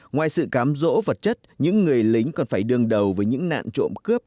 ngoài sự cám rỗ vật chất những người lính còn phải đương đầu với những nạn trộm cướp